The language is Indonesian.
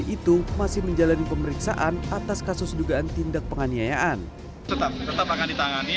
itu masih menjalani pemeriksaan atas kasus dugaan tindak penganiayaan tetap tetap akan ditangani